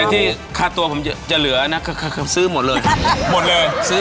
แถวที่คาตัวผมจะเหลือแค่ซื่อหมดเลย